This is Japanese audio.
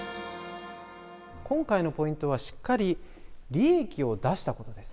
今回のポイントはしっかり利益を出したことです。